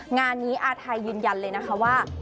งานนี้อาทัยยืนยันเลยนะคะว่า